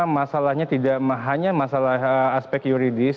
masalahnya tidak hanya masalah aspek yuridis